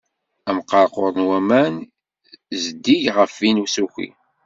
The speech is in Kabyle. Amqerqur n waman i zeddig ɣef win usuki.